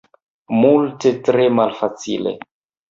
Multe tre malfacile.